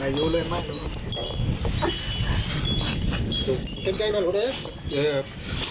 ถ้าหนูทำแบบนั้นพ่อจะไม่มีรับบายเจ้าให้หนูได้เอง